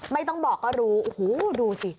ไม่ต้องบอกก็รู้โอ้โหดูสิ